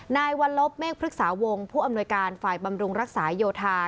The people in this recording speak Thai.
นายวัลลบเมฆพฤกษาวงศ์ผู้อำนวยการฝ่ายบำรุงรักษาโยธา